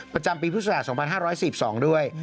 ประจำปีพฤษศาสตร์๒๕๔๒ด้วย